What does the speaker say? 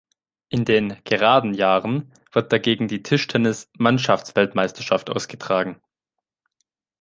In den „geraden“ Jahren wird dagegen die Tischtennis-Mannschaftsweltmeisterschaft ausgetragen.